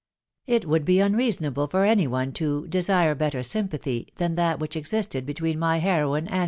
It would be unreasonable for any one to " desim better sym pathy " than that which existed between my heroine and Me.